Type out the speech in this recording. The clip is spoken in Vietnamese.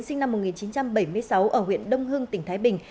sinh năm một nghìn chín trăm bảy mươi sáu ở huyện đông hưng tỉnh thái bình